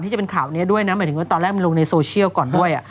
จะเป็นข่าวนี้ด้วยนะหมายถึงว่าตอนแรกมันลงในโซเชียลก่อนด้วย